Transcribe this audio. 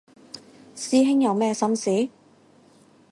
師兄有咩心事